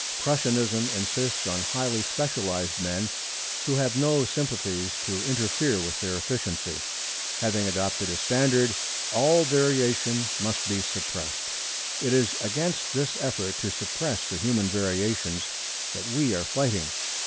Prussianism insists on highly specialized men who have no sympathies to interfere with their efficiency. Having adopted a standard, all variation must be suppressed. It is against this effort to suppress the human variations that we are fighting.